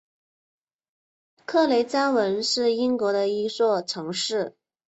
克雷加文是英国的一座城市。